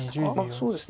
そうですね。